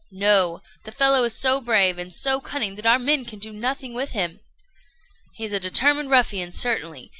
"No; the fellow is so brave and so cunning that our men can do nothing with him." "He's a determined ruffian, certainly.